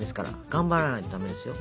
頑張らないとダメですよ。